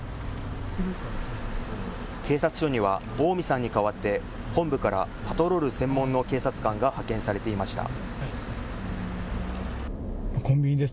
警察署には近江さんに代わって本部からパトロール専門の警察官が派遣されていました。